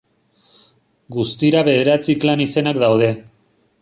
Guztira bederatzi klan izenak daude.